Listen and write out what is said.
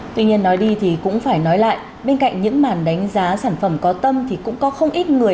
tuy nhiên nói đi thì cũng phải nói lại bên cạnh những màn đánh giá sản phẩm có tâm thì cũng có không ít người